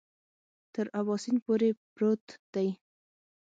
تر اباسین پورې پروت دی.